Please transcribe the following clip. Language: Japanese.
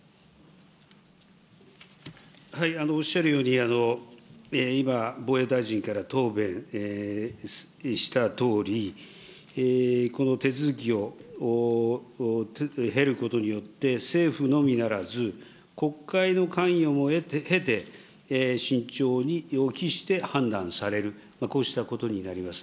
おっしゃるように、今、防衛大臣から答弁したとおり、この手続きを経ることによって、政府のみならず、国会の関与も経て、慎重に予期して判断される、こうしたことになります。